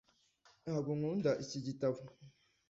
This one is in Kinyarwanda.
ntabwo nkunda iki gitabo